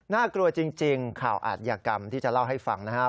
กลัวจริงข่าวอาทยากรรมที่จะเล่าให้ฟังนะครับ